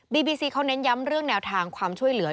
บีบีซีเขาเน้นย้ำเรื่องแนวทางความช่วยเหลือ